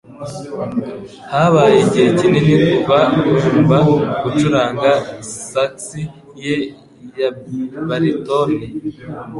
Habaye igihe kinini kuva numva gucuranga sax ye ya baritone